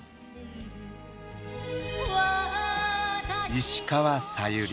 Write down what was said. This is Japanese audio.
石川さゆり。